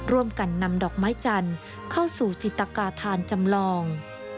ร่วมกันนำดอกไม้จันทร์เข้าสู่จิตกาธานจำลอง